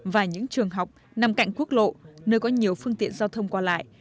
và những trường học nằm cạnh quốc lộ nơi có nhiều phương tiện giao thông qua lại